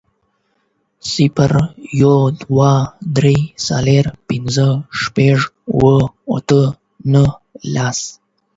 صفر، يو، دوه، درې، څلور، پنځه، شپږ، اووه، اته، نهه، لس